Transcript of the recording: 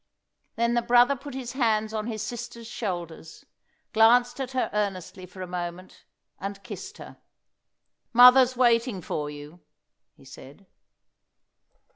Then the brother put his hands on his sister's shoulders, glanced at her earnestly for a moment, and kissed her. "Mother's waiting for you," he said.